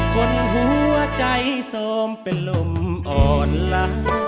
คนหัวใจโสมเป็นลมอ่อนล้า